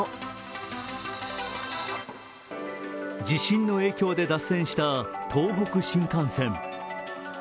地震の影響で脱線した東北新幹線。